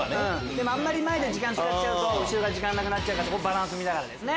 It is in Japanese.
でも前で時間使っちゃうと後ろが時間なくなるからバランス見ながらですね。